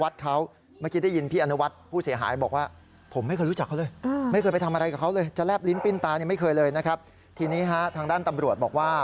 ทีนี้ฮะทางด้านตำรวจบอกว่า